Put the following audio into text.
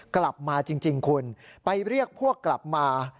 กลับมาจริงคุณไปเรียกพวกกลับมา